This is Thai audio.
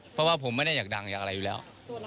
เพราะว่าผมไม่ได้อยากดังอยากอะไรอยู่แล้ว